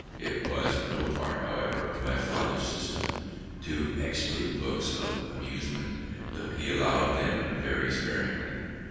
It was no part, however, of my father's system to exclude books of amusement, though he allowed them very sparingly.